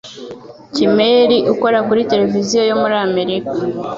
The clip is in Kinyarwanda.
Kimmel ukora kuri televiziyo yo muri Amerika,